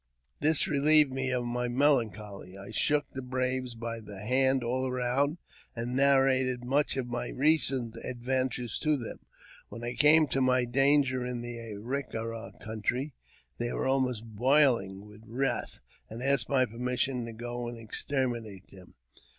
This relieved me of my melancholy. I shook the braves by the hand all round, and narrated much of my recent adventures to them. When I came to my danger in the A rick a ra country, they were almost boiling with wrath, and asked my permission to go and exterminate them.